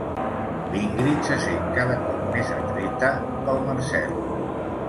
L'Ingrid se sent cada cop més atreta pel Marcel.